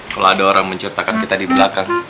kalau ada orang menciptakan kita di belakang